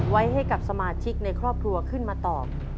ไว้ให้กับสมาชิกในครอบครัวขึ้นมาตอบ